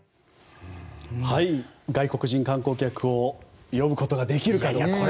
外国人観光客を呼ぶことができるかどうか。